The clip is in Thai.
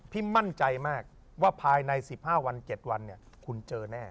มั่นใจมากว่าภายใน๑๕วัน๗วันคุณเจอแน่